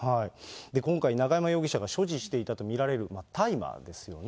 今回、永山容疑者が所持していたとみられる大麻ですよね。